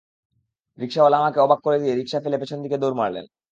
রিকশাওয়ালা আমাকে অবাক করে দিয়ে রিকশা ফেলে পেছন দিকে দৌড় মারলেন।